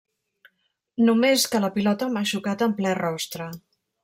Només, que la pilota m'ha xocat en ple rostre.